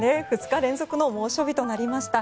２日連続の猛暑日となりました。